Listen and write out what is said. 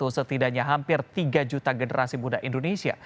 setidaknya hampir tiga juta generasi muda indonesia